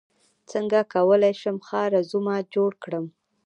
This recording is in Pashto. څنګه کولی شم ښه رزومه جوړ کړم